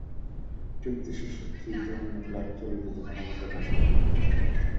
চুক্তি শেষে ফ্রি-তে অন্য ক্লাবে চলে যেতে কোনো বাধা থাকল না।